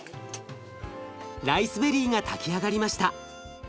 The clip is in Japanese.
ライスベリーが炊き上がりました。